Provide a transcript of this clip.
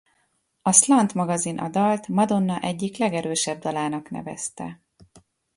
A Slant Magazin a dalt Madonna egyik legerősebb dalának nevezte.